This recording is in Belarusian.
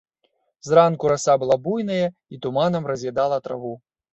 Зранку раса была буйная, і туманам раз'ядала траву.